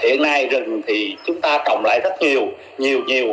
hiện nay rừng thì chúng ta trồng lại rất nhiều nhiều nhiều